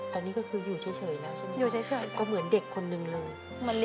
ตอนนี้ก็คืออยู่เฉยแล้วใช่ไหมครับ